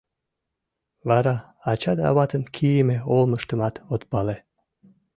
Вара ачат-аватын кийыме олмыштымат от пале.